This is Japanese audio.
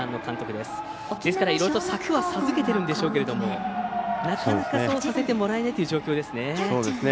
ですからいろいろと策は授けてるんでしょうけどなかなか、そうはさせてもらえないという状況です。